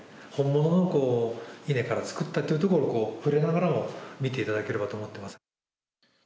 本物の稲から作ったというところを触れながら見ていただければと思います。